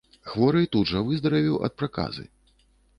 Хворы тут жа выздаравеў ад праказы.